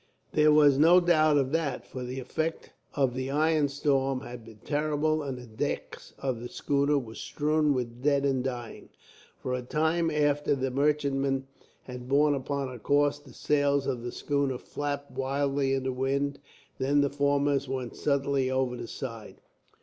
There was no doubt of that, for the effect of the iron storm had been terrible, and the decks of the schooner were strewn with dead and dying. For a time after the merchantman had borne upon her course, the sails of the schooner flapped wildly in the wind, and then the foremast went suddenly over the side.